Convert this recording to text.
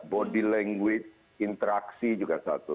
body language interaksi juga satu